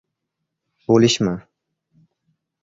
Bo‘lishma!..